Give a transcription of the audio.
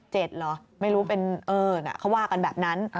เจ็ดเหรอไม่รู้เป็นเอิ้นเขาว่ากันแบบนั้น